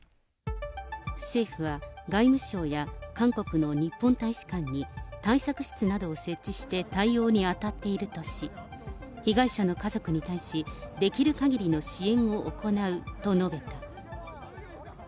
政府は外務省や韓国の日本大使館に対策室などを設置して対応に当たっているとし、被害者の家族に対し、できるかぎりの支援を行うと述べた。